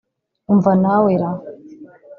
Umva na we ra